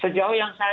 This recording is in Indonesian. sejauh yang saya tahu